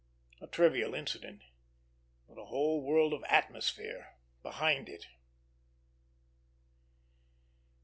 A trivial incident, with a whole world of atmosphere behind it.